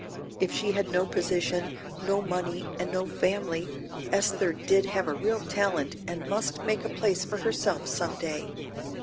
If she had no position, no money and no family, Esther did have a real talent and must make a place for herself some day."